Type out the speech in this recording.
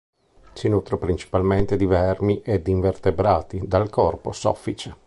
Si nutre principalmente di vermi e invertebrati dal corpo soffice.